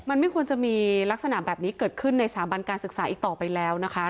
มันไม่ควรจะมีลักษณะแบบนี้เกิดขึ้นในสถาบันการศึกษาอีกต่อไปแล้วนะคะ